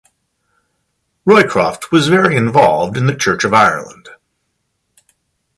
Roycroft was very involved in the Church of Ireland.